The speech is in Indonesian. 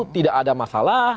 tidak ada masalah